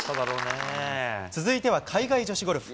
続いては海外女子ゴルフ。